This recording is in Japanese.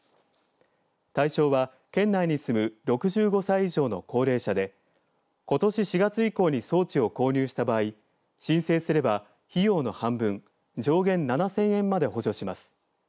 対象は県内に住む６５歳以上の高齢者でことし４月以降に装置を購入した場合申請すれば、費用の半分上限７０００円まで補助します。